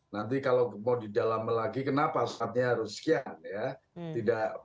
nanti kalau mau didalami lagi kenapa saatnya harus sekian ya